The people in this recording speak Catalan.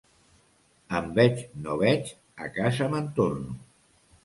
Enveig no veig, a casa me'n torno.